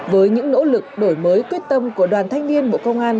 với những nỗ lực đổi mới quyết tâm của đoàn thanh niên bộ công an